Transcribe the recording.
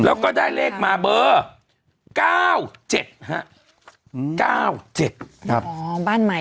แล้วก็ได้เลขมาเบอร์เก้าเจ็ดฮะเก้าเจ็ดครับอ๋อบ้านใหม่